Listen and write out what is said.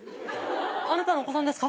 あなたのお子さんですか？